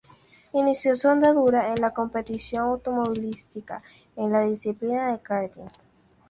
Inició su andadura en la competición automovilística en la disciplina del karting.